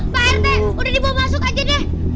pak rt udah dibawa masuk aja deh